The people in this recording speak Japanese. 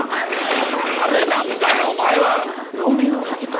誰なんだよお前は！